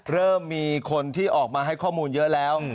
เริ่มมีคนที่ออกมาให้ข้อมูลเยอะแล้ว